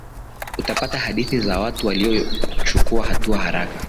utapata hadithi za watu waliyochukua hatua haraka